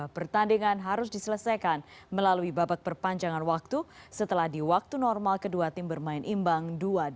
pertandingan harus diselesaikan melalui babak perpanjangan waktu setelah di waktu normal kedua tim bermain imbang dua dua